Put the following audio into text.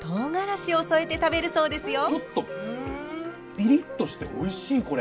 ピリッとしておいしいこれ。